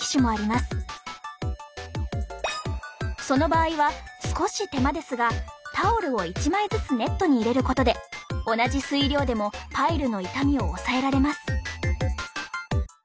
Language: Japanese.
その場合は少し手間ですがタオルを１枚ずつネットに入れることで同じ水量でもパイルの傷みを抑えられます。